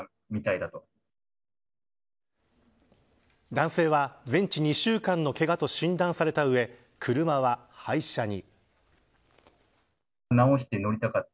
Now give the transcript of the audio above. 男性は全治２週間のけがと診断された上車は、廃車に。